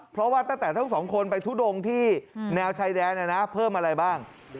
เพราะว่าตั้งแต่ทั้งสองคนไปทุดงที่แนวชายแดนเพิ่มอะไรบ้าง